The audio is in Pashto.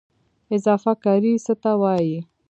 اضافه کاري څه ته وایي؟